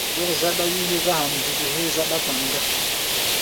Zɔ́k záɗá wí hégá hamduku héé záɗá-kpan gá.